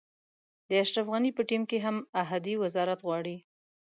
د اشرف غني په ټیم کې هم احدي وزارت غواړي.